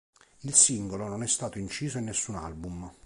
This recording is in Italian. Il singolo non è stato inciso in nessun album.